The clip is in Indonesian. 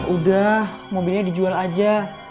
udah mobilnya dijual aja